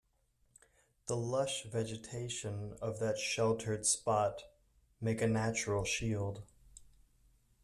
The lush vegetation of that sheltered spot make a natural shield.